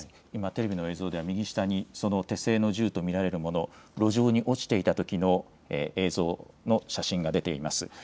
テレビの映像では右下に手製の銃と見られるもの、路上に落ちていたときの映像の写真が出ています。